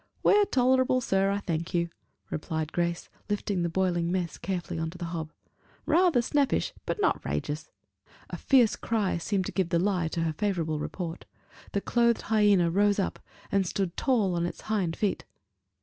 "We're tolerable, sir, I thank you," replied Grace, lifting the boiling mess carefully on to the hob: "rather snappish, but not 'rageous." A fierce cry seemed to give the lie to her favorable report: the clothed hyena rose up, and stood tall on its hind feet.